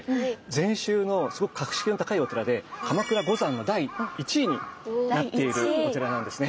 禅宗のすごく格式の高いお寺で鎌倉五山の第一位になっているお寺なんですね。